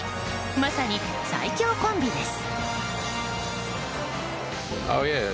まさに最強コンビです。